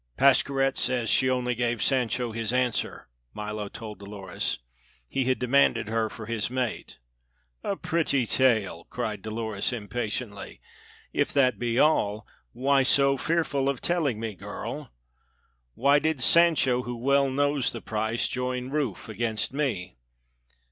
"Pascherette says she only gave Sancho his answer," Milo told Dolores. "He had demanded her for his mate." "A pretty tale!" cried Dolores impatiently. "If that be all, why so fearful of telling me, girl? Why did Sancho, who well knows the price, join Rufe against me?"